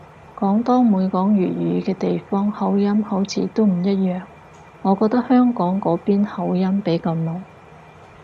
廣東每講粵語嘅地方口音好似都唔一樣，我覺得香港嗰邊口音比較濃